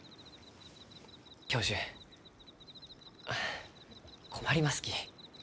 教授あ困りますき。